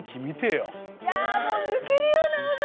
いやもう抜けるような青空。